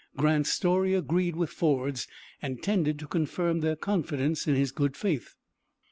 Grant's story agreed with Ford's, and tended to confirm their confidence in his good faith.